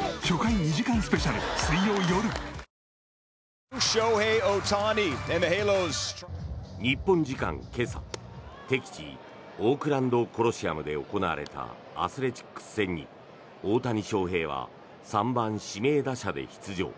三ツ矢サイダー』日本時間今朝敵地オークランド・コロシアムで行われたアスレチックス戦に、大谷翔平は３番指名打者で出場。